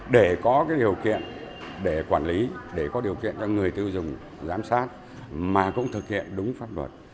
để có điều kiện để quản lý để có điều kiện cho người tiêu dùng giám sát mà cũng thực hiện đúng pháp luật